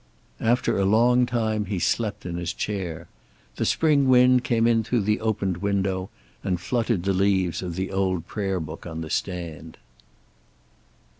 After a long time he slept in his chair. The spring wind came in through the opened window, and fluttered the leaves of the old prayer book on the stand.